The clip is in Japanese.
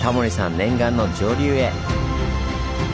念願の上流へ。